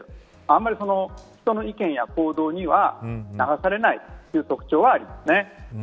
あまり人の意見や行動には流されない。という特徴はあります。